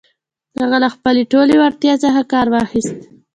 هغه له خپلې ټولې وړتيا څخه کار واخيست.